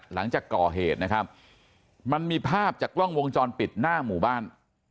หลังจากก่อเหตุนะครับมันมีภาพจากกล้องวงจรปิดหน้าหมู่บ้าน